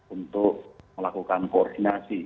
untuk melakukan koordinasi